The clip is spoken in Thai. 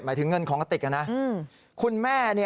หมายถึงเงินของกระติกนะ